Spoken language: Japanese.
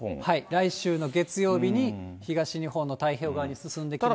来週の月曜日に東日本の太平洋側に進んできまして。